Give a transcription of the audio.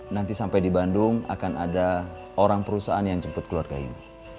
nanti sampai di bandung akan ada orang perusahaan yang jemput keluarga ini